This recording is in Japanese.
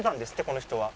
この人は。